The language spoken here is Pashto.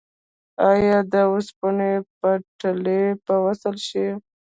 آیا د اوسپنې پټلۍ به وصل شي؟